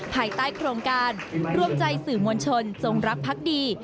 ภายใต้โครงการรวมใจสื่อมวลชนจงรักพักดี